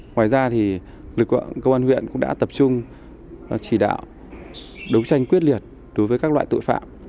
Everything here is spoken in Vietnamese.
ngoài ra thì lực lượng công an huyện cũng đã tập trung chỉ đạo đấu tranh quyết liệt đối với các loại tội phạm